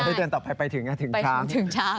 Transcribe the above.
แต่ถ้าเดินต่อไปไปถึงนะถึงช้าง